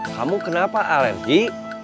kamu kenapa alergi